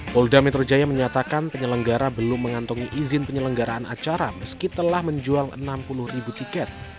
polda metro jaya menyatakan penyelenggara belum mengantongi izin penyelenggaraan acara meski telah menjual enam puluh ribu tiket